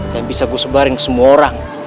dan bisa gue sebarin ke semua orang